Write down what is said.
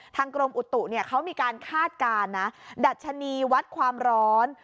ทางกรมอุตตุเขามีการคาดการณ์ดัชนีวัดความร้อน